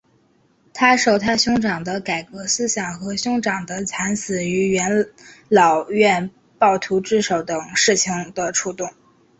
他受他兄长的改革思想和兄长的惨死于元老院暴徒之手等事情的触动。